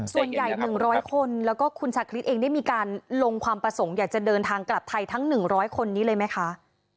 ส่วนใหญ่๑๐๐คนแล้วก็คุณชาคริสเองได้มีการลงความประสงค์อยากจะเดินทางกลับไทยทั้ง๑๐๐คนนี้เลยไหมคะ